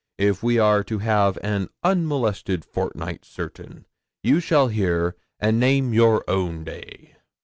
If we are to have an unmolested fortnight certain, you shall hear, and name your own day."